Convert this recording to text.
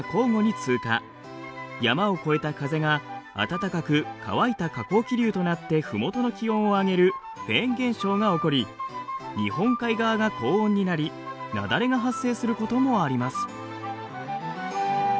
山を越えた風が暖かく乾いた下降気流となってふもとの気温を上げるフェーン現象が起こり日本海側が高温になり雪崩が発生することもあります。